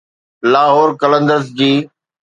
لاهور قلندرز جي